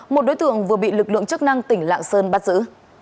một đối tượng vừa bị lực lượng chức năng tỉnh lạng sơn bắt giữ